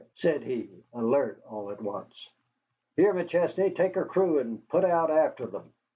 said he, alert all at once. "Here, McChesney, take a crew and put out after them."